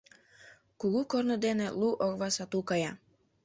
— Кугу корно дене лу орва сату кая...